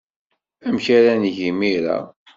Amek ara neg imir-a?